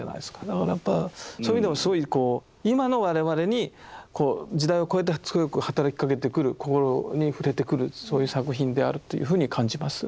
だからやっぱそういう意味でもすごいこう今の我々に時代を超えて強く働きかけてくる心に触れてくるそういう作品であるというふうに感じます。